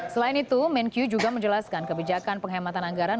selain itu menkyu juga menjelaskan kebijakan penghematan anggaran